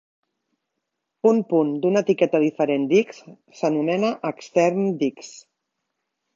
Un punt d'una etiqueta diferent d'"x" s'anomena extern d'"x".